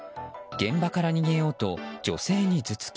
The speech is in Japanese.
現場から逃げようと女性に頭突き。